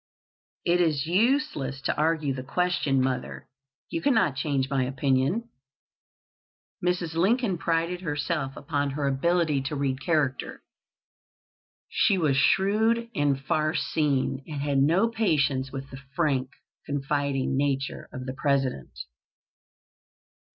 "It is useless to argue the question, mother. You cannot change my opinion." Mrs. Lincoln prided herself upon her ability to read character. She was shrewd and far seeing, and had no patience with the frank, confiding nature of the President.